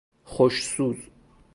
خوش سوز